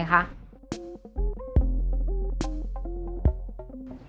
เล่นประโยชน์จากอินเทอร์